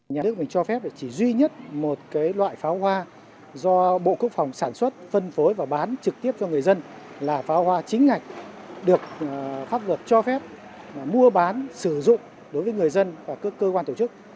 nhà nước mình cho phép chỉ duy nhất một loại pháo hoa do bộ quốc phòng sản xuất phân phối và bán trực tiếp cho người dân là pháo hoa chính ngạch được pháp luật cho phép mua bán sử dụng đối với người dân và các cơ quan tổ chức